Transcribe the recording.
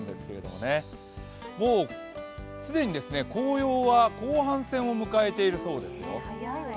もう既に紅葉は後半戦を迎えているそうですよ。